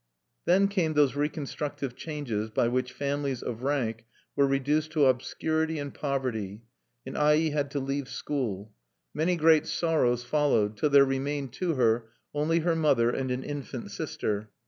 Then came those reconstructive changes by which families of rank were reduced to obscurity and poverty; and Ai had to leave school. Many great sorrows followed, till there remained to her only her mother and an infant sister.